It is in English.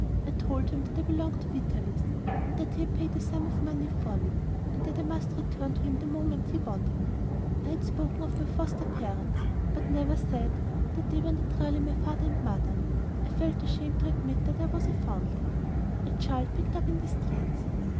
I told him that I belonged to Vitalis, and that he had paid a sum of money for me, and that I must return to him the moment he wanted me. I had spoken of my foster parents, but had never said that they were not really my father and mother. I felt ashamed to admit that I was a foundling, a child picked up in the streets!